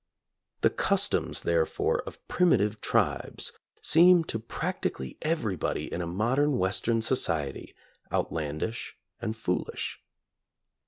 The customs, therefore, of primitive tribes seem to practically everybody in a modern West ern society outlandish and foolish.